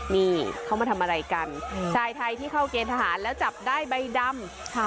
นี่เขามาทำอะไรกันชายไทยที่เข้าเกณฑ์ทหารแล้วจับได้ใบดำ